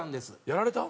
やられた？